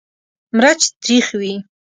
مرچ تریخ وي.